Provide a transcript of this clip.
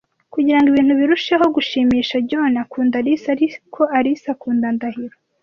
Kugira ngo ibintu birusheho gushimisha, John akunda Alice, ariko Alice akunda Ndahiro .